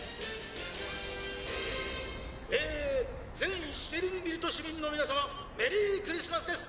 「えー全シュテルンビルト市民の皆様メリークリスマスです！